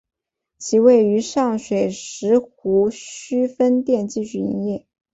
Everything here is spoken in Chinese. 其位于上水石湖墟分店继续营业。